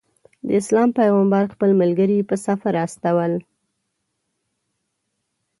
د اسلام پیغمبر خپل ملګري په سفر استول.